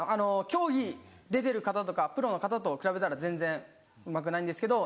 競技出てる方とかプロの方と比べたら全然うまくないんですけど。